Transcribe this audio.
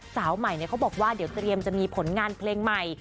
สาวใหม่เขาบอกว่าเดี๋ยวเตรียมจะมีผลงานเพลงใหม่